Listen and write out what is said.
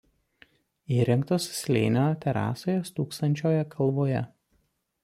Įrengtos slėnio terasoje stūksančioje kalvoje.